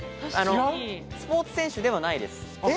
スポーツ選手ではないです。